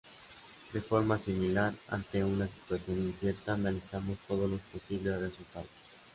De forma similar, ante una situación incierta analizamos todos los posibles resultados.